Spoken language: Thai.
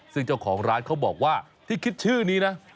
ซึ่งเจ้าของร้านเขาบอกว่าที่คิดชื่อนี้นะ